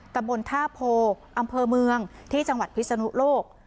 ตำบลท่าโพอำเภอเมืองที่จังหวัดพิศนุโลก